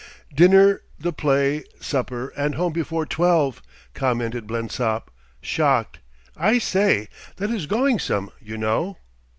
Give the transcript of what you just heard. "Dinner, the play, supper, and home before twelve!" commented Blensop, shocked. "I say, that is going some, you know."